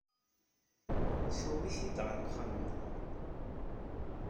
Tuwey-it-id ɣer wexxam-nneɣ.